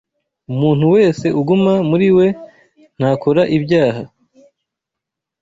Umuntu wese uguma muri we ntakora ibyaha,